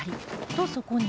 とそこに